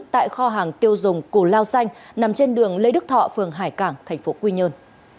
tại kho hàng tiêu dùng củ lao xanh nằm trên đường lê đức thọ phường hải cảng tp quy nhơn